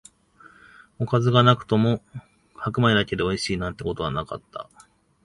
おかずがなくても白米だけでおいしい、なんてことはなかった